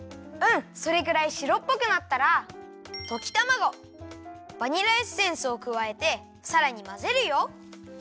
うんそれぐらいしろっぽくなったらときたまごバニラエッセンスをくわえてさらにまぜるよ。